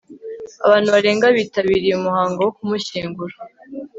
Abantu barenga bitabiriye umuhango wo kumushyingura